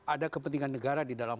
ada kepentingan negara di dalam